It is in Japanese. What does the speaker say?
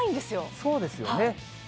そうですよね。